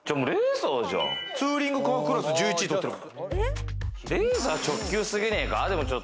ツーリングカークラス１１位取ってます。